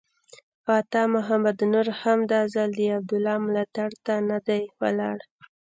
عطا محمد نور هم دا ځل د عبدالله ملاتړ ته نه دی ولاړ.